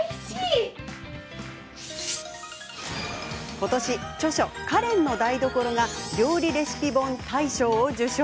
ことし、著書「カレンの台所」が料理レシピ本大賞を受賞。